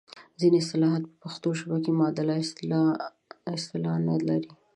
ځینې اصطلاحات په پښتو ژبه کې معادله اصطلاح نه لري.